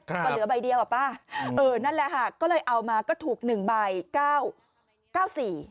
ก็เหลือใบเดียวอ่ะป้าเออนั่นแหละค่ะก็เลยเอามาก็ถูก๑ใบ๙๔